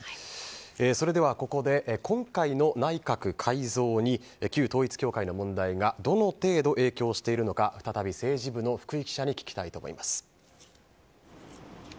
それではここで、今回の内閣改造に旧統一教会の問題がどの程度影響しているのか再び政治部の福井記者に聞きたいと思います。